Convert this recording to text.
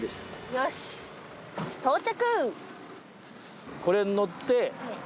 よし到着。